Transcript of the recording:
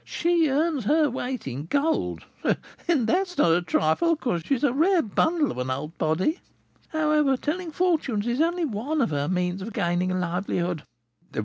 She earns her weight in gold, and that is not a trifle, for she is a rare bundle of an old body. However, telling fortunes is only one of her means of gaining a livelihood."